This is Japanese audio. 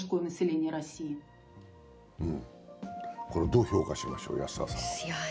どう評価しましょう。